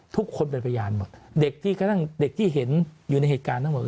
ทุกคนเป็นพยานหมดเด็กที่เห็นอยู่ไหนแห่งเถิดภาพฯ